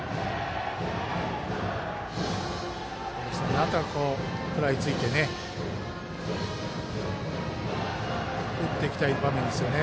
中、食らいついて打っていきたい場面ですね。